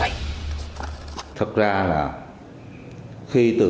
mai thật ra là khi từ